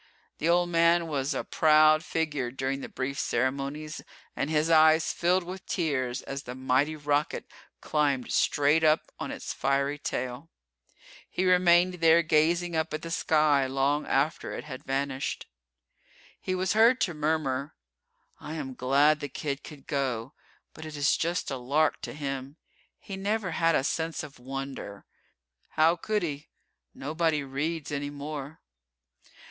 The old man was a proud figure during the brief ceremonies and his eyes filled with tears as the mighty rocket climbed straight up on its fiery tail. He remained there gazing up at the sky long after it had vanished. He was heard to murmur, "I am glad the kid could go, but it is just a lark to him. He never had a 'sense of wonder.' How could he nobody reads anymore."